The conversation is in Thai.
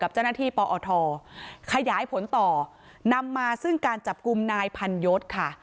เจ้าหน้าที่ปอทขยายผลต่อนำมาซึ่งการจับกลุ่มนายพันยศค่ะ